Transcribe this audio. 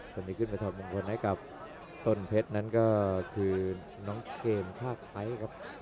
คนนี้ขึ้นไปถอดมงคลให้กับต้นเพชรนั้นก็คือน้องเกมภาพไทยครับ